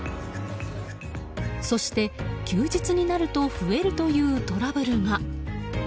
そして、休日になると増えるというトラブルが。